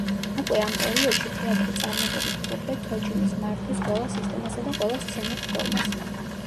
უკვე ამ პერიოდში თეატრი წარმატებით ფლობდა თოჯინის მართვის ყველა სისტემასა და ყველა სცენურ ფორმას.